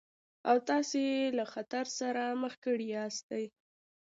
او تاسې يې له خطر سره مخ کړي ياستئ.